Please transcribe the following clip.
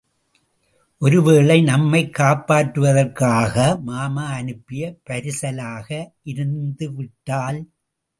ஒருவேளை நம்மைக் காப்பாற்றுவதற்கு மாமா அனுப்பிய பரிசலாக இருந்துவிட்டால்...........?